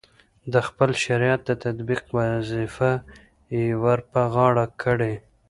د خپل شریعت د تطبیق وظیفه یې ورپه غاړه کړې.